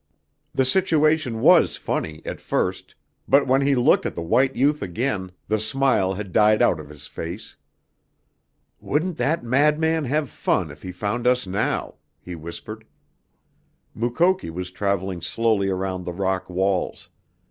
The situation was funny, at first; but when he looked at the white youth again the smile had died out of his face. "Wouldn't that madman have fun if he found us now!" he whispered. Mukoki was traveling slowly around the rock walls.